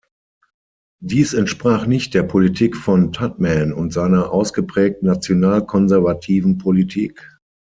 Dies entsprach nicht der Politik von Tuđman und seiner ausgeprägt nationalkonservativen Politik.